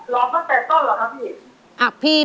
ร้องกับแป๊กต้นเหรอนะพี่